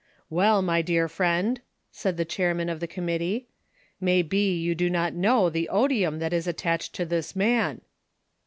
"Well, my dear friend," said the chairman of the com mittee, "may be you do not know the odium that is at tached to this man."